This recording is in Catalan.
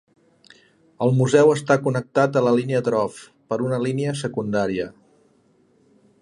El museu està connectat a la línia Dovre per una línia secundària.